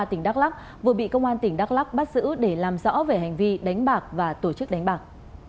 tỉnh đắk lắc vừa bị công an tỉnh đắk lắc bắt giữ để làm rõ về hành vi đánh bạc và tổ chức đánh bạc